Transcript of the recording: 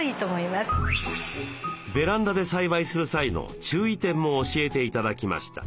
ベランダで栽培する際の注意点も教えて頂きました。